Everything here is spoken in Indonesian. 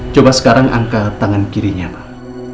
coba sekarang angkat tangan kirinya pak